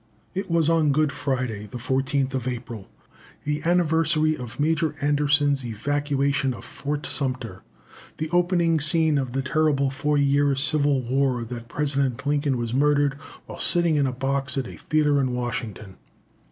] It was on Good Friday, the 14th of April, the anniversary of Major Anderson's evacuation of Fort Sumter, "the opening scene of the terrible four years' civil war," that President Lincoln was murdered while sitting in a box at a theatre in Washington.